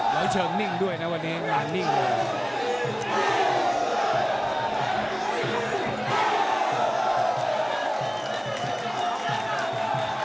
แล้วเชิงนิ่งด้วยนะวันนี้งานนิ่งเลย